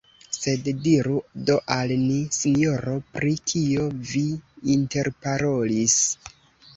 Sed diru do al ni, sinjoro, pri kio vi interparolis?